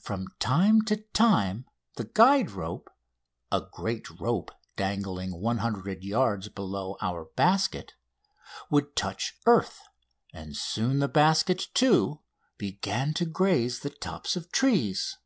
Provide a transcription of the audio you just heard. From time to time the guide rope a great rope dangling 100 yards below our basket would touch earth, and soon the basket, too, began to graze the tops of trees.